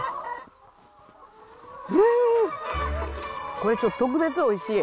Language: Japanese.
これちょっと特別おいしい。